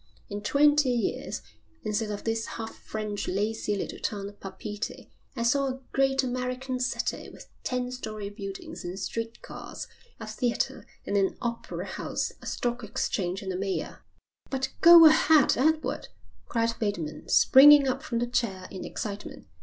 In twenty years, instead of this half French, lazy little town of Papeete I saw a great American city with ten story buildings and street cars, a theatre and an opera house, a stock exchange and a mayor." "But go ahead, Edward," cried Bateman, springing up from the chair in excitement.